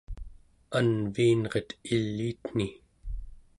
anviinret iliitni